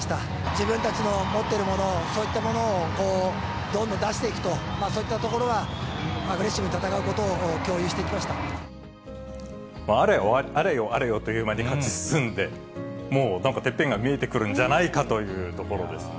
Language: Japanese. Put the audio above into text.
自分たちの持っているものを、そういったものをどんどん出していくと、そういったところは、アグレッシブに戦うことを共有しあれよあれよという間に勝ち進んで、もうなんか、てっぺんが見えてくるんじゃないかというところですね。